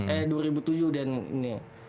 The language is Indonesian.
eh dua ribu tujuh dan ini